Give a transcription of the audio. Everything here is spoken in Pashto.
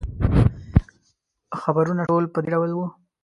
خبرونه ټول په دې ډول وو.